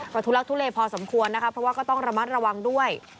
ก็ทุลักทุเลพอสมควรนะคะเพราะว่าก็ต้องระมัดระวังด้วย